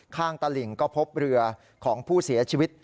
ข้างตะหลิงก็พบเรือของผู้เสียชีวิต